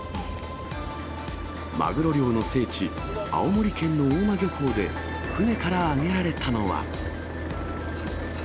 マグロ漁の聖地、青森県の大間漁港で、船から揚げられたのは。